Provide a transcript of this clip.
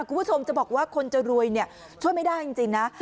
คุณผู้ชมจะบอกว่าคนจะรวยเนี่ยช่วยไม่ได้จริงนะ